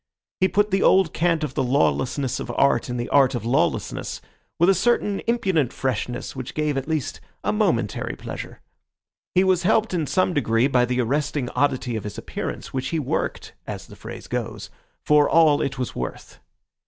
He put the old cant of the lawlessness of art and the art of lawlessness with a certain impudent freshness which gave at least a momentary pleasure. He was helped in some degree by the arresting oddity of his appearance, which he worked, as the phrase goes, for all it was worth.